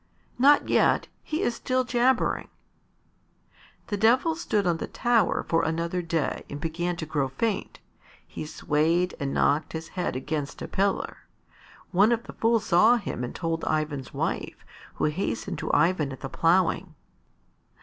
"Not yet; he is still jabbering." The Devil stood on the tower for another day and began to grow faint. He swayed and knocked his head against a pillar. One of the fools saw him and told Ivan's wife, who hastened to Ivan at the ploughing.